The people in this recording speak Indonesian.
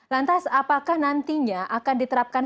lantas apakah nantinya akan diterapkan